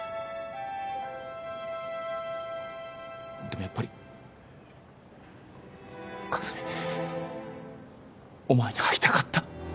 でもやっぱり和美お前に会いたかった。